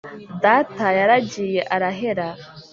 data yaragiye arahera